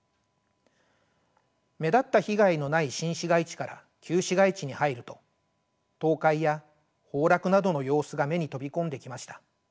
目立った被害のない新市街地から旧市街地に入ると倒壊や崩落などの様子が目に飛び込んできました。